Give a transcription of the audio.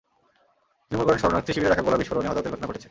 তিনি মনে করেন, শরণার্থী শিবিরে রাখা গোলার বিস্ফোরণে হতাহতের ঘটনা ঘটেছে।